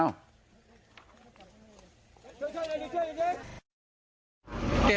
ช่วยนี่ช่วย